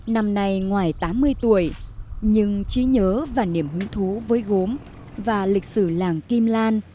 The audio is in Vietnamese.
năm nay ngoài tám mươi tuổi nhưng trí nhớ và niềm hứng thú với gốm và lịch sử làng kim lan